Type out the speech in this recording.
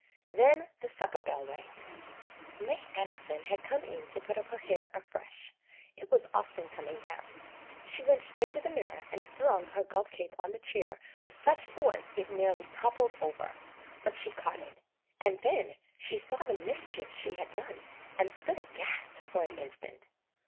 Then the supper bell rang. May Anderson had come in to put up her hair afresh — it was often coming down. She went straight to the mirror and flung her golf cape on the chair with such force it nearly toppled over, but she caught it. And then she saw the mischief she had done and stood aghast for an instant.